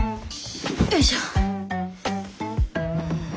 よいしょ。